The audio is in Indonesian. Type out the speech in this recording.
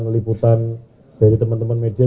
meliputan dari teman teman media